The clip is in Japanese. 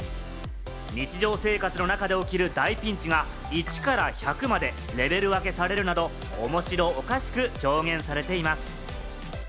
日常生活の中で起きる大ピンチが、１から１００までレベル分けされるなど、面白おかしく表現されています。